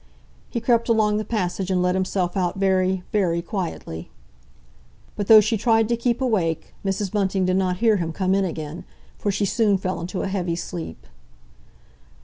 He crept along the passage and let himself out very, very quietly. But though she tried to keep awake, Mrs. Bunting did not hear him come in again, for she soon fell into a heavy sleep.